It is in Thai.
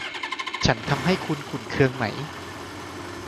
ฉันทำให้คุณขุ่นเคืองไหม